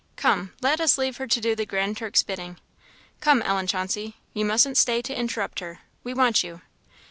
Come, let us leave her to do the Grand Turk's bidding. Come, Ellen Chauncey, you mustn't stay to interrupt her we want you!"